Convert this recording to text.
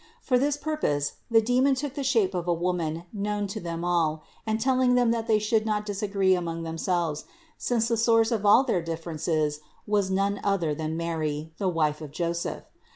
For this purpose the demon took the shape of a woman known to them all and telling them that they should not disagree among themselves, since the source of all their differences was none other than Mary, the wife of Joseph.